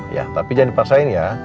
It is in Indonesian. iya tapi jangan dipaksain ya